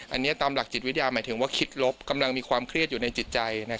อันนี้ตามหลักจิตวิทยาหมายถึงว่าคิดลบกำลังมีความเครียดอยู่ในจิตใจ